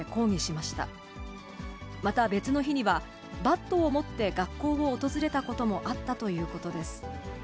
また別の日には、バットを持って学校を訪れたこともあったということです。